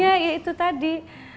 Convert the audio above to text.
ya itu tadi